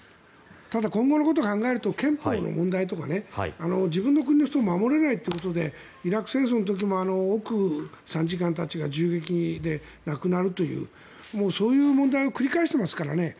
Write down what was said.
ただ、今後のことを考えると憲法の問題とか自分の国の人を守れないということでイラク戦争の時も奥参事官たちが銃撃で亡くなるというそういう問題を繰り返していますからね。